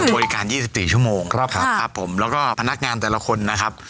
บริการ๒๔ชั่วโมงครับครับผมแล้วก็พนักงานแต่ละคนนะครับ